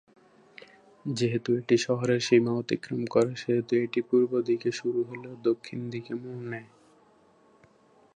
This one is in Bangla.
যেহেতু এটি শহরের সীমা অতিক্রম করে সেহেতু এটি পূর্ব দিকে শুরু হলেও দক্ষিণ দিকে মোড় নেয়।